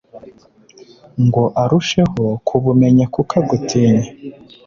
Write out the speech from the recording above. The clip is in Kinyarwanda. ngo arusheho kubumenya kuko agutinya